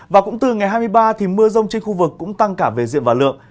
và cũng từ ngày hai mươi ba thì mưa rông trên khu vực cũng tăng cả về diện và lượng